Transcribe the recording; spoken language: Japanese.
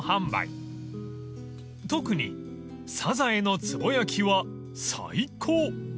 ［特にサザエのつぼ焼きは最高］